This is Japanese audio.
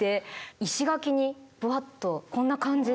石垣にブワッとこんな感じで。